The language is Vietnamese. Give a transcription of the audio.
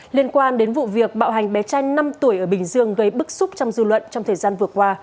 liên quan đến vụ việc bạo hành bé trai năm tuổi ở bình dương gây bức xúc trong dư luận trong thời gian vừa qua